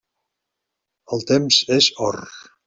El temps és or.